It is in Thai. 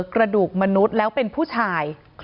กระดูกมนุษย์แล้วเป็นผู้ชาย